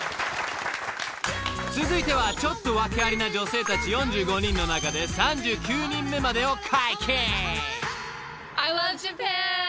［続いてはちょっとワケありな女性たち４５人の中で３９人目までを解禁］